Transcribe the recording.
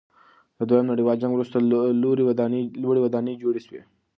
د دویم نړیوال جنګ وروسته لوړې ودانۍ جوړې سوې.